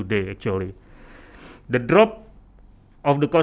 dan itu masih berterusan sampai hari ini